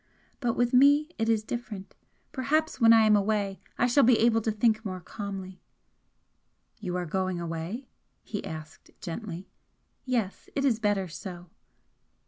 But with me it is different perhaps when I am away I shall be able to think more calmly " "You are going away?" he asked, gently. "Yes. It is better so."